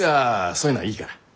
あそういうのはいいから。